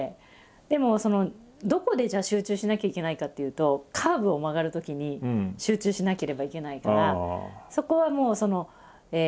でもそのどこでじゃあ集中しなきゃいけないかっていうとカーブを曲がるときに集中しなければいけないから。